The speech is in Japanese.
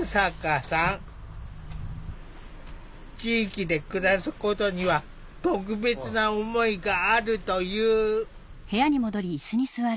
地域で暮らすことには特別な思いがあるという。